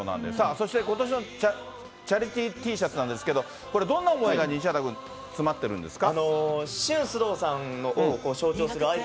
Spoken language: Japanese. そしてことしのチャリティーＴシャツなんですけど、これ、どんな思いが西畑君、詰まってるんですか。